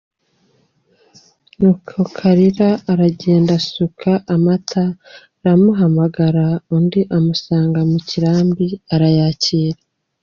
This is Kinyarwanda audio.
Nuko Kalira aragenda asuka amata aramuhamagara, undi amusanga mu kirambi arayakira.